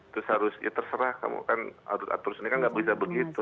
terus harus ya terserah kamu kan arus atur ini kan nggak bisa begitu